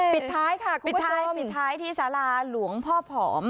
ปิดท้ายค่ะคุณผู้ชมปิดท้ายที่สาราหลวงพ่อผอม